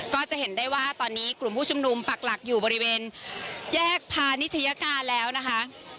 ก็จะเห็นได้ว่าตอนนี้กลุ่มผู้ชุมนุมปักหลักอยู่บริเวณแยกพาณิชยการแล้วนะคะ